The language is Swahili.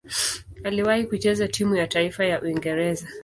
Aliwahi kucheza timu ya taifa ya Uingereza.